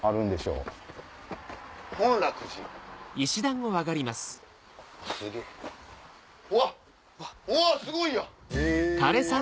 うわっすごいやん！